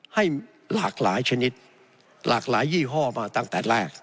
ให้หลากหลายชนิดหลากหลายยี่ห้อมาตั้งแต่แรก